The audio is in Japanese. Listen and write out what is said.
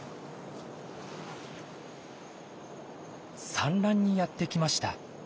産卵にやって来ました。